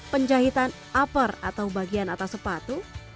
penjahitan upper atau bagian atas sepatu